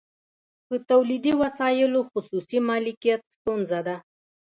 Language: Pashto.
په تولیدي وسایلو خصوصي مالکیت ستونزه ده